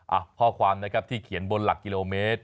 ข้อความนะครับที่เขียนบนหลักกิโลเมตร